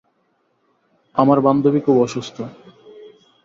আমার বান্ধবী খুব অসুস্থ।